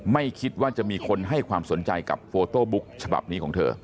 ไม่คิดว่าจะมีคนให้ความสนใจกับโฟโต้บุ๊กฉบับนี้ของเธอ